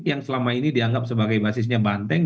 yang selama ini dianggap sebagai basisnya banteng